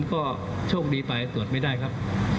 ก็โชคดีไปตรวจไม่ได้ครับ